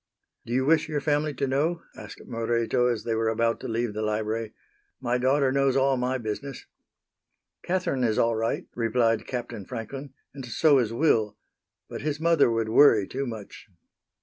"Do you wish your family to know?" asked Moreto as they were about to leave the library. "My daughter knows all my business." "Catherine is all right," replied Captain Franklin, "and so is Will, but his mother would worry too much."